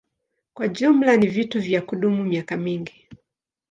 Kwa jumla ni vitu vya kudumu miaka mingi.